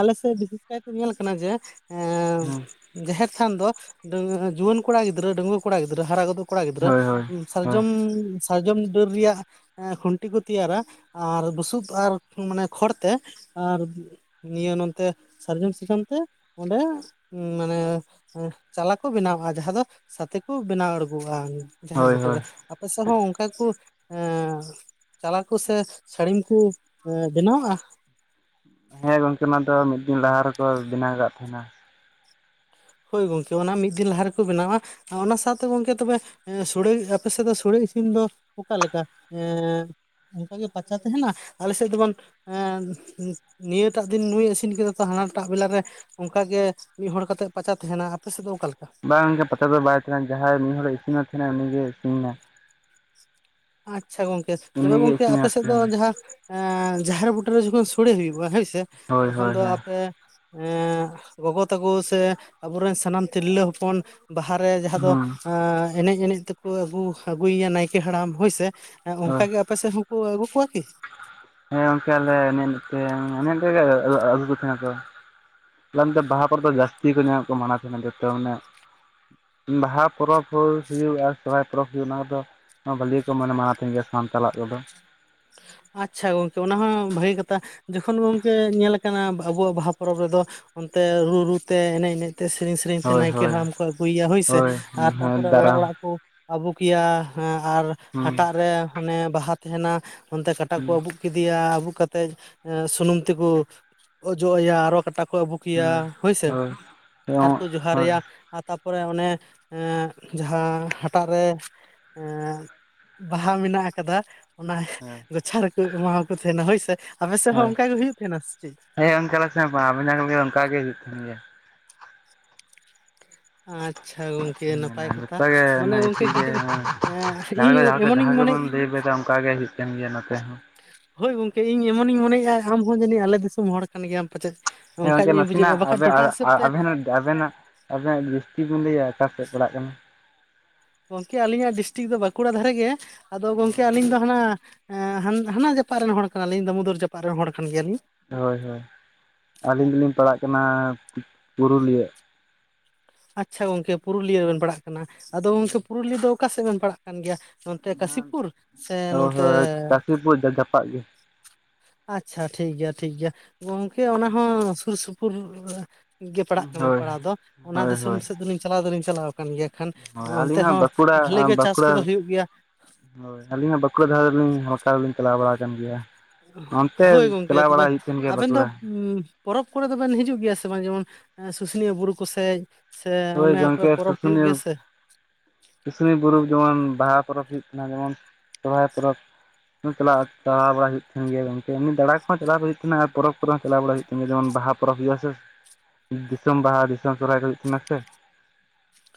ᱟᱞᱮᱥᱮᱫ ᱵᱤᱥᱮᱥᱠᱟᱭᱛᱮ ᱧᱮᱞ ᱠᱟᱱᱟ ᱡᱮ, ᱮᱸ ᱦᱩᱸ᱾ ᱡᱟᱦᱮᱨ ᱛᱷᱟᱱ ᱫᱚ ᱰᱟᱺ ᱡᱩᱣᱟᱹᱱ ᱠᱚᱲᱟ ᱜᱤᱫᱽᱨᱟᱹ, ᱰᱟᱺᱜᱽᱣᱟᱹ ᱠᱚᱲᱟ ᱜᱤᱫᱽᱨᱟᱹ ᱦᱟᱨᱟ ᱜᱚᱫᱚᱜ ᱠᱚᱲᱟ ᱜᱤᱫᱽᱨᱟᱹ ᱦᱳᱭ ᱦᱳᱭ ᱩᱢ‌ ᱦᱳᱭ ᱥᱟᱨᱡᱚᱢᱻ ᱥᱟᱨᱡᱚᱢ ᱰᱟᱹᱨ ᱨᱮᱭᱟᱜ ᱮᱸ ᱠᱷᱩᱱ ᱴᱤ ᱠᱚ ᱛᱮᱭᱟᱨᱟ ᱟᱨ ᱵᱩᱥᱩᱵ ᱟᱨ ᱢᱟᱱᱮ ᱠᱷᱚᱲᱛᱮ ᱟᱨ ᱱᱤᱭᱟᱹ ᱱᱚᱛᱮ ᱥᱟᱨᱡᱚᱢ ᱥᱟᱠᱟᱢᱛᱮ ᱚᱸᱰᱮ ᱢᱟᱱᱮ ᱮᱸ, ᱪᱟᱞᱟ ᱠᱚ ᱵᱮᱱᱟᱣᱟᱜ-ᱟ ᱡᱟᱦᱟᱸ ᱫᱚ ᱥᱟᱛᱮ ᱠᱚ ᱵᱮᱱᱟᱣ ᱟᱬᱜᱚᱣᱟᱜ-ᱟ᱾ ᱡᱟᱦᱮᱨ ᱦᱳᱭ ᱵᱩᱴᱟᱹ ᱦᱳᱭ ᱨᱮ, ᱟᱯᱮ ᱥᱮᱬ ᱦᱚᱸ ᱚᱱᱠᱟ ᱜᱮ ᱠᱚ ᱮᱸ ᱪᱟᱞᱟᱜ-ᱟᱠᱚ ᱥᱮ ᱥᱟᱹᱲᱤᱢ ᱠᱩ ᱮ ᱵᱮᱱᱟᱣᱟᱜ-ᱟ? ᱦᱮᱸ ᱜᱚᱝᱠᱮ ᱱᱚᱣᱟ ᱫᱚ ᱢᱤᱫ ᱫᱤᱱ ᱞᱟᱦᱟ ᱨᱮᱠᱚ ᱵᱮᱱᱟᱣ ᱠᱟᱜ ᱛᱟᱸᱦᱮᱱᱟ᱾ ᱦᱳᱭ ᱜᱚᱝᱠᱮ ᱚᱱᱟ ᱢᱤᱫ ᱫᱤᱱ ᱞᱟᱦᱟ ᱨᱮᱠᱚ ᱵᱮᱱᱟᱣᱟ᱾ ᱟ ᱚᱱᱟ ᱥᱟᱶᱛᱮ ᱜᱚᱝᱠᱮ ᱛᱚᱵᱮ ᱮᱸ ᱥᱚᱲᱮ ᱟᱻ ᱟᱯᱮ ᱥᱮ ᱫᱚ ᱥᱚᱲᱮ ᱤᱥᱤᱱ ᱫᱚ ᱚᱠᱟ ᱞᱮᱠᱟ ᱮᱸ ᱚᱝᱠᱟ ᱜᱮ ᱯᱟᱪᱟ ᱛᱟᱦᱮᱱᱟ? ᱟᱞᱮ ᱥᱮᱜ ᱫᱚᱵᱚᱱ ᱮᱸᱫ ᱱᱤᱭᱟᱹᱴᱟᱜ ᱫᱤᱱ ᱱᱩᱭᱮ ᱤᱥᱤᱱ ᱠᱮᱫᱟ ᱛᱚ ᱦᱟᱱᱟᱴᱟᱜ ᱵᱮᱞᱟ‌ ᱨᱮ ᱚᱝᱠᱟ ᱜᱮ ᱢᱤᱫ ᱦᱚᱲ ᱠᱟᱛᱮᱜ ᱯᱟᱪᱟ ᱛᱟᱦᱮᱱᱟ᱾ ᱟᱯᱮ ᱥᱮᱜ ᱫᱚ ᱚᱠᱟ ᱞᱮᱠᱟ? ᱵᱟᱝ ᱜᱮ ᱯᱟᱪᱟ ᱫᱚ ᱵᱟᱭ ᱛᱟᱦᱮᱱᱟ ᱡᱟᱦᱟᱸᱭ ᱢᱤᱫ ᱦᱚᱲᱮ ᱤᱥᱤᱱ ᱛᱟᱦᱮᱱᱟ ᱩᱱᱤ ᱜᱮᱭ ᱤᱥᱤᱱᱟ᱾ ᱟᱪᱪᱷᱟ ᱜᱚᱝᱠᱮ ᱛᱚᱵᱮ ᱩᱱᱤᱜᱮ ᱜᱚᱝᱠᱮ ᱟᱯᱮ ᱤᱥᱤᱱᱮᱫ ᱥᱮᱜ ᱫᱚ ᱛᱟᱦᱮᱱᱟ ᱡᱟᱦᱟᱸ ᱮᱸ ᱡᱟᱦᱮᱨ ᱵᱩᱴᱟᱹ ᱨᱮ ᱡᱚᱠᱷᱚᱱ ᱥᱚᱲᱮ ᱦᱩᱭᱩᱜ-ᱟ, ᱦᱚᱭᱥ᱾ ᱛᱮ, ᱦᱳᱭ ᱛᱚᱠᱷᱚᱱ ᱦᱳᱭ ᱫᱚ ᱦᱮᱸ ᱟᱯᱮ ᱮᱸᱜ ᱜᱚᱜᱚ ᱛᱟᱠᱚ ᱥᱮ ᱟᱵᱚ ᱨᱮᱱ ᱥᱟᱱᱟᱢ ᱛᱤᱨᱞᱟᱹ ᱦᱚᱯᱚᱱ ᱵᱟᱦᱟ ᱨᱮ ᱡᱟᱦᱟᱸ ᱫᱚ ᱦᱩᱸ ᱟᱸᱻ ᱮᱱᱮᱡ ᱮᱱᱮᱡ ᱛᱮᱠᱚ ᱟᱹᱜᱩ ᱟᱹᱜᱩᱭᱮᱭᱟ ᱱᱟᱭᱠᱮ ᱦᱟᱲᱟᱢ ᱦᱳᱭ‌ ᱥᱮ᱾ ᱦᱮᱸ ᱦᱳᱭ ᱚᱝᱠᱟ ᱜᱮ ᱟᱯᱮ ᱥᱮᱜ ᱦᱚᱸᱠᱚ ᱟᱹᱜᱩ ᱠᱚᱣᱟ ᱠᱤ? ᱦᱮᱸ ᱜᱚᱝᱠᱮ ᱟᱞᱮ ᱮᱱᱮᱡ ᱮᱱᱮᱡ ᱛᱮ ᱮᱱᱮᱡ ‌ᱮᱱᱮᱡ ᱛᱮᱜᱮ ‌ᱟᱹᱜᱩ, ᱟᱹᱜᱩ ᱠᱚ ᱛᱟᱦᱮᱱᱟ ᱠᱚ᱾ ᱞᱟᱹᱭᱟᱢ ‌ᱫᱚ ᱵᱟᱦᱟ ᱠᱚᱨᱮ ᱫᱚ ᱡᱟᱥᱛᱤ ᱠᱚ ᱧᱟᱜ ᱠᱚ ᱢᱟᱱᱟᱣ ᱛᱟᱦᱮᱱᱟ ᱡᱚᱛᱚ ᱢᱟᱱᱮ ᱩᱸ ᱵᱟᱦᱟ ᱯᱚᱨᱚᱵᱽ ᱦᱩᱭ ᱦᱩᱭᱩᱜ ᱟᱨ ᱥᱚᱨᱦᱟᱭ ᱯᱚᱨᱚᱵᱽ ᱦᱩᱭᱩᱜ ᱚᱱᱟ ᱠᱚᱫᱚ ᱱᱚᱣᱟ ᱵᱷᱟᱹᱞᱤ ᱜᱮᱠᱚ ᱢᱟᱱ ᱢᱟᱱᱟᱣ ᱛᱟᱦᱮᱱ ᱜᱮᱭᱟ ᱥᱟᱱᱛᱟᱞᱟᱜ ᱠᱚᱫᱚ᱾ ᱟᱪᱪᱷᱟ ᱜᱚᱝᱠᱮ ᱚᱱᱟ ᱦᱚᱸ ᱵᱷᱟᱜᱮ ᱠᱟᱛᱷᱟ᱾ ᱡᱚᱠᱷᱚᱱ ᱜᱚᱝᱠᱮ ᱧᱮᱞᱟ ᱟᱠᱟᱱᱟ ᱵᱟᱹ ᱟᱹᱵᱩᱣᱟᱜ ᱵᱟᱦᱟ ᱯᱚᱨᱚᱵᱽ ᱨᱮᱫᱚ ᱚᱱᱛᱮ ᱨᱩ ᱨᱩ ᱛᱮ ᱮᱱᱮᱡ ᱮᱱᱮᱡ ᱛᱮ ᱥᱮᱨᱮᱧ ᱥᱮᱨᱮᱧ ᱛᱮ ᱦᱳᱭ ᱱᱟᱭᱠᱮ ᱦᱳᱭ ᱦᱟᱲᱟᱢ ᱠᱚ ᱟᱹᱜᱩᱭᱮᱭᱟ ᱦᱳᱭ ᱥᱮ ᱟᱨ ᱦᱳᱭ ᱛᱟᱯᱚᱨᱮ ᱚᱲᱟᱜ ᱫᱟᱨᱟᱢ ᱚᱲᱟᱜ ᱠᱚ ᱟᱵᱩᱠ‌ᱮᱭᱟ᱾ ᱦᱮᱸ ᱟᱨ ᱦᱩᱸ ᱦᱟᱴᱟᱜ ᱨᱮ ᱚᱱᱮ ᱵᱟᱦᱟ ᱛᱟᱦᱮᱱᱟ ᱚᱱᱛᱮ ᱠᱟᱴᱟ ᱠᱚ ᱟᱹᱵᱩᱜ ᱠᱤᱫᱤᱭᱟ ᱟᱹᱵᱩᱜ ᱠᱟᱛᱮᱜ ᱮᱸ ᱥᱩᱱᱩᱢ ᱛᱮᱠᱚ ᱚᱡᱚᱜ ᱟᱭᱟ ᱟᱨᱚ ᱠᱟᱴᱟᱠ ᱠᱚ ᱟᱹᱵᱩᱠᱮᱭᱟ ᱦᱳᱭ ᱥᱮ ᱟᱨ ᱠᱚ ᱦᱳᱭ ᱡᱚᱦᱟᱨᱟᱭᱟ᱾ ᱟᱨ ᱛᱟᱨᱯᱚᱨᱮ ᱚᱱᱮ ᱮᱸᱫ ᱡᱟᱦᱟᱸ ᱦᱟᱴᱟᱜ ᱨᱮ ᱮᱸᱜ ᱵᱟᱦᱟ ᱢᱤᱱᱟᱜ ᱟᱠᱟᱫᱟ ᱚᱱᱟ‌ᱦ ᱦᱮᱸ᱾ ᱜᱚᱪᱷᱟ ᱨᱮᱠᱩ ᱮᱢᱟᱣᱟᱠᱚ ᱛᱟᱦᱮᱱᱟ ᱦᱳᱭ ᱥᱮ, ᱟᱯᱮ ᱥᱮᱫ ᱦᱚᱸ ᱦᱳᱭ ᱚᱱᱠᱟ ᱜᱮ ᱦᱩᱭᱩᱜ ᱛᱟᱦᱮᱱᱟ ᱥᱮ ᱪᱤᱜ? ᱦᱮᱸ ᱚᱱᱠᱟ ᱟᱞᱮᱥᱮᱱ ᱵᱟᱝ ᱟᱵᱮᱱ ᱡᱟᱦᱟᱸ ᱠᱟ ᱞᱟᱹᱭ ᱠᱮᱫᱟ ᱚᱱᱠᱟ‌ ᱜᱮ ᱦᱩᱭᱩᱜ ᱛᱟᱦᱮᱱ ᱜᱮᱭᱟ᱾ ᱟᱪᱪᱷᱟ ᱜᱚᱝᱠᱮ [unintelligible] ᱱᱟᱯᱟᱭ ᱠᱟᱛᱷᱟ ᱢᱟᱱᱮ ᱜᱚᱝᱠᱮ ᱠᱟᱹᱴᱤᱡ ᱦᱮᱸ ᱞᱟᱹᱭ ᱤᱧ ᱮᱢᱚᱱᱤᱧ ᱢᱚᱱᱮᱭᱮᱫ ᱵᱮᱫᱟᱢ ᱚᱱᱠᱟ ᱜᱮ ᱦᱩᱭᱩᱜ ᱠᱟᱱ ᱜᱮᱭᱟ ᱱᱚᱛᱮ ᱦᱚᱸ᱾ ᱦᱳᱭ ᱜᱚᱝᱠᱮ ᱤᱧ ᱮᱢᱚᱱᱤᱧ ᱢᱚᱱᱮᱭᱮᱜ-ᱟ ᱟᱢ ᱦᱚᱸ ᱡᱟᱹᱱᱤᱡ ᱟᱞᱮ ᱫᱤᱥᱚᱢ ᱦᱚᱲ ᱠᱟᱱ ᱜᱮᱭᱟᱢ᱾ ᱯᱟᱪᱮᱡ ᱚᱱᱠᱟ ᱧᱚᱜ ᱤᱧ ᱵᱩᱡᱷᱟᱹᱣᱮᱜ-ᱟ ᱵᱟᱠᱷᱟᱱ ᱴᱚᱴᱷᱟ ᱦᱤᱥᱟᱹᱵᱽ ᱛᱮ ᱡᱮ ᱟᱵᱮᱱᱟᱜ ᱟᱵᱮᱱᱟᱜ ᱰᱤᱥᱴᱤᱠ ᱵᱤᱱ ᱞᱟᱹᱭᱟ ᱚᱠᱟ ᱥᱮᱫ ᱯᱟᱲᱟᱜ ᱠᱟᱱᱟ? ᱜᱚᱝᱠᱮ ᱟᱹᱞᱤᱧᱟᱜ ᱰᱤᱥᱴᱤᱠ ᱫᱚ ᱵᱟᱸᱠᱩᱲᱟ ᱫᱷᱟᱨᱮ ᱜᱮ᱾ ᱟᱫᱚ ᱜᱚᱝᱠᱮ ᱟᱹᱞᱤᱧ ᱫᱚ ᱦᱟᱱᱟ ᱮᱸ ᱦᱟᱱ ᱦᱟᱱᱟ ᱡᱟᱯᱟᱜ ᱨᱮᱱ ᱦᱚᱲ ᱠᱟᱱᱟ ᱞᱤᱧ ᱫᱟᱹᱢᱩᱫᱚᱨ ᱡᱟᱯᱟᱜ ᱨᱮᱱ ᱦᱚᱲ ᱠᱟᱱ ᱜᱮᱭᱟ ᱞᱤᱧ᱾ ᱦᱳᱭ ᱦᱳᱭ ᱟᱞᱤᱧ ᱫᱚᱞᱤᱧ ᱯᱟᱲᱟᱜ ᱠᱟᱱᱟ ᱯᱩ ᱯᱩᱨᱩᱞᱤᱭᱟᱹ᱾ ᱟᱪᱪᱷᱟ ᱜᱚᱝᱠᱮ ᱯᱩᱨᱩᱞᱤᱭᱟᱹ ᱨᱮᱵᱮᱱ ᱯᱟᱲᱟᱜ ᱠᱟᱱᱟ᱾ ᱟᱫᱚ ᱜᱚᱝᱠᱮ ᱯᱩᱨᱩᱞᱤᱭᱟᱹ ᱫᱚ ᱚᱠᱟ ᱥᱮᱜ ᱵᱮᱱ ᱯᱟᱲᱟᱜ ᱠᱟᱱ ᱜᱮᱭᱟ ᱱᱚᱱᱛᱮ ᱠᱟᱹᱥᱤᱯᱩᱨ ᱥᱮ ᱦᱳᱭ ᱱᱚᱱᱛᱮ ᱦᱳᱭ ᱠᱟᱥᱤᱯᱩᱨ ᱡᱟᱯᱟᱜ ᱜᱮ ᱟᱪᱪᱷᱟ ᱴᱷᱤᱠ ᱜᱮᱭᱟ ᱴᱷᱤᱠ ᱜᱮᱭᱟ᱾ ᱜᱚᱝᱠᱮ ᱚᱱᱟ ᱦᱚᱸ ᱥᱩᱨ ᱥᱩᱯᱩᱨ ᱨᱮ ᱜᱮ ᱯᱟᱲᱟᱜ ᱠᱟᱱᱟ ᱦᱳᱭ ᱯᱟᱲᱟᱣ ᱫᱚ᱾ ᱚᱱᱟ ᱦᱳᱭ ᱫᱤᱥᱚᱢ ᱦᱳᱭ ᱥᱮᱫ ᱫᱚᱞᱤᱧ ᱪᱟᱞᱟᱣ ᱫᱚᱞᱤᱧ ᱪᱟᱞᱟᱣ ᱟᱠᱟᱱ ᱜᱮᱭᱟ᱾ ᱠᱷᱟᱱ ᱦᱳᱭ ᱚᱱᱛᱮ ᱟᱹᱞᱤᱧ ᱦᱚᱸ ᱵᱟᱸᱠᱩᱲᱟ ᱵᱷᱟᱞᱮ ᱜᱮ ᱪᱟᱥ ᱵᱟᱸᱠᱩᱲᱟ ᱠᱚᱫᱚ ᱦᱩᱭᱩᱜ ᱜᱮᱭᱟ᱾ ᱦᱳᱭ ᱟᱹᱞᱤᱧ ‌ᱦᱟᱸᱜ ᱵᱟᱠᱩᱲᱟ ᱫᱷᱟᱨᱮ ᱫᱚᱞᱤᱧ [unintelligible] ᱫᱚᱞᱤᱧ ᱪᱟᱞᱟᱣ ᱵᱟᱲᱟ ᱟᱠᱟᱱ ᱜᱮᱭᱟ᱾ ᱦᱳᱭ ᱚᱱᱛᱮ ᱜᱚᱝᱠᱮ ᱪᱟᱞᱟᱣ ᱛᱚᱵᱮ ᱵᱟᱲᱟ ᱦᱩᱭᱩᱜ ᱛᱟᱦᱮᱱ ᱜᱮᱭᱟ ᱟᱵᱮᱱ ᱫᱚ ᱵᱟᱸᱠᱩᱲᱟ᱾ ᱩᱸ ᱯᱚᱨᱚᱵᱽ ᱠᱚᱨᱮ ᱫᱚᱵᱮᱱ ᱦᱤᱡᱩᱜ ᱜᱮᱭᱟ ᱥᱮ ᱵᱟᱝ ᱡᱮᱢᱚᱱ ᱮᱸ ᱥᱩᱥᱩᱱᱤᱭᱟᱹ ᱵᱩᱨᱩ ᱠᱚᱥᱮᱡ? ᱥᱮ ᱦᱳᱭ ᱚᱱᱮ, ᱯᱚᱨᱮ ᱟᱯᱷᱚᱨ ᱜᱚᱝᱠᱮ ᱯᱚᱨᱚᱵᱽ ᱦᱩᱭᱩᱜ ᱜᱮᱭᱟ ᱥᱮ᱾ ᱠᱩᱥᱱᱤ ᱵᱚᱨᱚᱵᱽ ᱡᱮᱢᱚᱱ ᱵᱟᱦᱟ ᱯᱚᱨᱚᱵᱽ ᱦᱩᱭᱩᱜ ᱠᱟᱱᱟ᱾ ᱡᱮᱢᱚᱱ ᱥᱚᱦᱚᱨᱟᱭ ᱯᱚᱨᱚᱵᱽ᱾ [unintelligible] ᱪᱟᱞᱟᱜ ᱪᱟᱞᱟᱣ ᱵᱟᱲᱟᱭ ᱦᱩᱭᱩᱜ ᱛᱟᱦᱮᱱ ᱜᱮᱭᱟ ᱜᱚᱝᱠᱮ᱾ ᱮᱢᱱᱤ ᱫᱟᱬᱟ ᱠᱚᱦᱚᱸ ᱪᱟᱞᱟᱣ ᱦᱩᱭᱩᱜ ᱛᱟᱦᱮᱱᱟ ᱟᱨ ᱯᱚᱨᱚᱵᱽ ᱠᱚᱨᱮ ᱦᱚᱸ ᱪᱟᱞᱟᱣ ᱵᱟᱲᱟ ᱦᱩᱭᱩᱜ ᱛᱮᱢᱱᱤ ᱡᱮᱢᱚᱱ ᱵᱟᱦᱟ ᱯᱚᱨᱚᱵᱽ ᱦᱩᱭᱩᱜᱼᱟ ᱥᱮ? ᱫᱤᱥᱚᱢ ᱵᱟᱦᱟ, ᱫᱤᱥᱚᱢ ᱥᱚᱨᱦᱟᱭ ᱠᱚ ᱦᱩᱭᱩᱜ ᱛᱟᱦᱮᱱᱟ ᱥᱮ?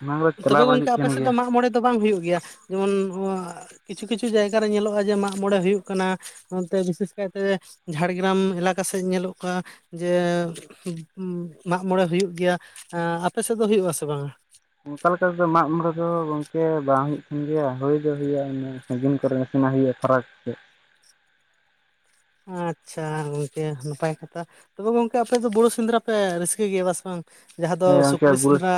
ᱚᱱᱟ ᱠᱚᱫᱚ ᱪᱟᱞᱟᱣ ᱛᱚᱵᱮ ᱵᱟᱲᱟ ᱜᱚᱝᱠᱮ ᱦᱩᱭᱩᱜ ᱟᱯᱮ ᱛᱟᱦᱮᱱ ᱥᱮᱫ ᱫᱚ ᱜᱮᱭᱟ ᱢᱟᱜᱽ ᱢᱚᱬᱮ ᱫᱚ ᱵᱟᱝ ᱦᱩᱭᱩᱜ ᱜᱮᱭᱟ? ᱡᱮᱢᱚᱱ ᱱᱚᱣᱟ ᱠᱤᱪᱷᱩ ᱠᱤᱪᱷᱩ ᱡᱟᱭᱜᱟ ᱧᱮᱞᱚᱜᱼᱟ ᱡᱮ ᱢᱟᱜᱽ ᱢᱚᱬᱮ ᱦᱩᱭᱩᱜ ᱠᱟᱱᱟ᱾ ᱚᱱᱛᱮ ᱵᱤᱥᱮᱥ ᱠᱟᱭᱛᱮ ᱡᱷᱟᱲᱜᱨᱟᱢ ᱮᱞᱟᱠᱟ ᱥᱮᱫ ᱧᱮᱞᱚᱜ ᱠᱟ ᱡᱮ ᱢᱟᱜᱽ ᱢᱚᱬᱮ ᱦᱩᱭᱩᱜ ᱜᱮᱭᱟ᱾ ᱟᱸ ᱟᱯᱮ ᱥᱮᱫ ᱫᱚ ᱦᱩᱭᱩᱜ-ᱟ ᱥᱮ ᱵᱟᱝᱟ? ᱚᱱᱠᱟ ᱞᱮᱠᱟ ᱛᱮᱫᱚ ᱢᱟᱜᱽ ᱢᱚᱬᱮ ᱫᱚ ᱜᱚᱢᱠᱮ ᱵᱟᱝ ᱦᱩᱭᱩᱜ ᱛᱟᱦᱮᱱ ᱜᱮᱭᱟ᱾ ᱦᱳᱭ ᱫᱚ ᱦᱩᱭᱩᱜ-ᱟ, ᱤᱱᱟᱹ ᱥᱟᱹᱜᱤᱧ ᱠᱚᱨᱮ ᱱᱟᱥᱮᱱᱟᱜ ᱦᱩᱭᱩᱜ-ᱟ ᱯᱷᱟᱨᱟᱠ ᱥᱮᱫ᱾ ᱟᱪᱪᱷᱟ, ᱜᱚᱝᱠᱮ ᱱᱟᱯᱟᱭ ᱠᱟᱛᱷᱟ᱾ ᱛᱚᱵᱮ ᱜᱚᱝᱠᱮ ᱟᱯᱮ ᱫᱚ ᱵᱩᱨᱩ ᱥᱮᱸᱫᱽᱨᱟ ᱯᱮ ᱨᱟᱹᱥᱠᱟᱹᱭ ᱜᱮᱭᱟ ᱵᱟᱥᱮ ᱵᱟᱝ? ᱡᱟᱦᱟᱸ ᱫᱚ ᱦᱮᱸ ᱜᱚᱝᱠᱮ ᱥᱩᱠᱨᱤ ᱵᱩᱨᱩ ᱥᱮᱸᱫᱽᱨᱟ,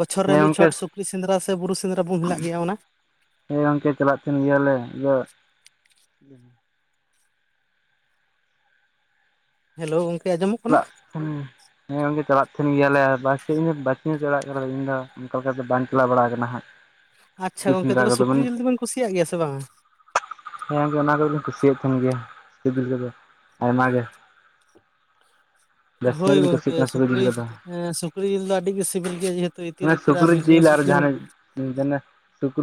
ᱵᱚᱪᱷᱚᱨ ᱨᱮ ᱦᱮᱸ ᱢᱤᱫ ᱜᱚᱝᱠᱮ ᱪᱷᱚᱴ ᱥᱩᱠᱨᱤ ᱥᱮᱸᱫᱽᱨᱟ ᱥᱮ ᱵᱩᱨᱩ ᱥᱮᱸᱫᱽᱨᱟ ᱵᱚᱱ ᱦᱮᱞᱟᱜ ᱜᱮᱭᱟ ᱚᱱᱟ? ᱦᱮᱸ ᱜᱚᱝᱠᱮ ᱪᱟᱞᱟᱜ ᱛᱟᱦᱮᱱ ᱜᱮᱭᱟᱞᱮ᱾ ᱤᱭᱟᱹ ᱦᱮᱞᱳ ᱜᱚᱝᱠᱮ᱾ ᱟᱸᱡᱚᱢᱚᱜ ᱠᱟᱱᱟ [unintelligible] ᱦᱮᱸ ᱜᱚᱝᱠᱮ ᱪᱟᱞᱟᱜ ᱛᱟᱦᱮᱱ ᱜᱮᱭᱟᱞᱮ ᱵᱟᱨᱥᱤ ᱤᱧᱟᱜ ᱵᱟᱨᱥᱤᱧᱮ ᱪᱟᱞᱟᱜ ᱠᱟᱱᱟ ᱟᱤᱧ ᱫᱚ᱾ ᱚᱱᱠᱟ ᱞᱮᱠᱟᱛᱮ ᱵᱟᱹᱧ ᱪᱟᱞᱟᱣ ᱵᱟᱲᱟ ᱟᱠᱟᱱᱟ ᱦᱟᱸᱜ᱾ ᱟᱪᱪᱷᱟ ᱥᱩᱠᱨᱤ ᱜᱚᱝᱠᱮ ᱥᱮᱸᱫᱽᱨᱟ ᱛᱚᱵᱮ ᱠᱚᱫᱚ ᱢᱟᱱᱮ ᱥᱩᱠᱨᱤ ᱡᱤᱞ ᱫᱩᱵᱤᱱ ᱠᱩᱥᱤᱭᱟᱜ ᱜᱮᱭᱟ ᱥᱮ ᱵᱟᱝᱟ? ᱦᱮᱸ ᱚᱱᱟ ᱠᱚᱫᱚᱞᱤᱧ ᱠᱩᱥᱤᱭᱟᱫ ᱛᱟᱦᱮᱱ ᱜᱮᱭᱟ᱾ ᱥᱤᱵᱤᱞ ᱜᱮᱫᱚ᱾ ᱟᱭᱢᱟ ᱜᱮ᱾ ᱡᱟᱹᱥᱛᱤ ᱧᱚᱜ ᱦᱳᱭ ᱜᱮᱞᱤᱧ ᱜᱚᱢᱠᱮ, ᱠᱩᱥᱤᱭᱟᱜ ᱠᱟᱱᱟ ᱥᱩᱠᱨᱤ ᱡᱤᱞ ᱠᱚᱫᱚ ᱦᱮᱸ ᱥᱩᱠᱨᱤ ᱡᱤᱞ ᱫᱚ ᱟᱹᱰᱤᱜᱮ ᱥᱤᱵᱤᱞ ᱜᱮᱭᱟ। ᱡᱮᱦᱮᱛᱩ ᱤᱛᱤᱞ ᱤᱛᱤᱞᱟ, ᱵᱤᱨ ᱨᱮᱱ ᱥᱩᱠᱨᱤ ᱤᱧ ᱫᱚ ᱚᱱᱟ ᱥᱩᱠᱨᱤ